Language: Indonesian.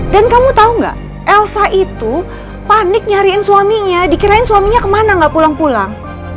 dan kamu tau gak elsa itu panik nyariin suaminya dikirain suaminya kemana gak pulang pulang